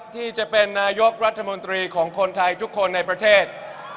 ที่จะเป็นนายกรัฐมนตรีของคนไทยทุกคนในประเทศ